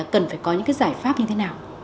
cần phải có những giải pháp như thế nào